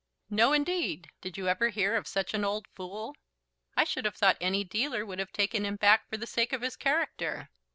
"No, indeed! Did you ever hear of such an old fool?" "I should have thought any dealer would have taken him back for the sake of his character."